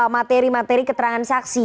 materi materi keterangan saksi